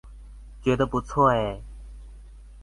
覺得不錯欸